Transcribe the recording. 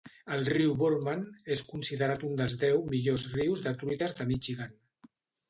El riu Boardman és considerat un dels deu millors rius de truites de Michigan.